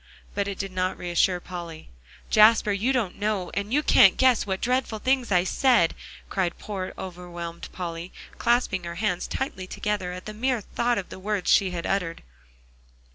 But it did not reassure Polly. "Jasper, you don't know; you can't guess what dreadful things I said," cried poor overwhelmed Polly, clasping her hands tightly together at the mere thought of the words she had uttered.